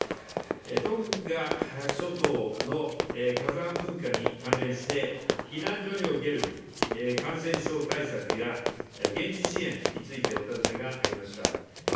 トンガ諸島の火山噴火に関連して、避難所における感染症対策や、現地支援についてお尋ねがありました。